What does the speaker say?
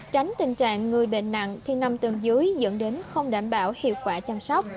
tránh tình trạng người bệnh nặng thì nằm tầng dưới dẫn đến không đảm bảo hiệu quả chăm sóc